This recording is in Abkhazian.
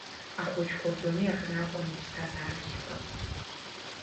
Ахәыҷқәа рдунеи аҟны акәын иԥсҭазаара ахьыҟаз.